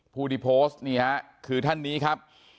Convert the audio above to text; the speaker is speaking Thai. ผู้ที่โพสต์นี่ฮะคือท่านนี้ครับ